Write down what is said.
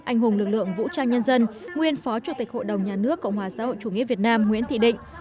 anh hùng lực lượng vũ trang nhân dân nguyên phó chủ tịch hội đồng nhà nước cộng hòa xã hội chủ nghĩa việt nam nguyễn thị định